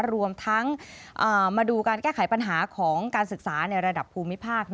รวมทั้งมาดูการแก้ไขปัญหาของการศึกษาในระดับภูมิภาค